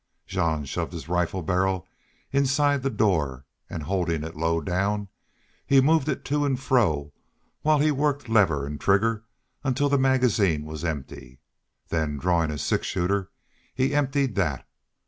Jean shoved his rifle barrel inside the door and, holding it low down, he moved it to and fro while he worked lever and trigger until the magazine was empty. Then, drawing his six shooter, he emptied that.